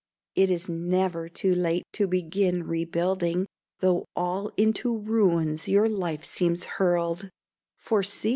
It is never too late to begin rebuilding, Though all into ruins your life seems hurled; For see!